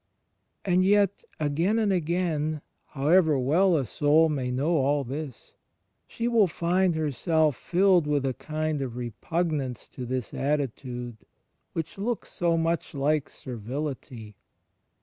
And yet, again and again, however well a soul may know all this, she will find herself filled with a kind of repugnance to this attitude which looks so much like servility.